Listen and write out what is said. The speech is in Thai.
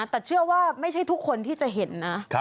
แต่เชื่อว่าไม่ใช่ทุกคนที่จะเห็นนะ